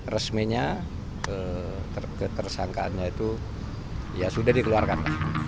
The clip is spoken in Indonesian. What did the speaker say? resminya tersangkaannya itu sudah dikeluarkan